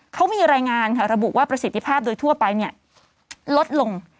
เขามีรายงานค่ะระบุว่าประสิทธิภาพโดยทั่วไปลดลง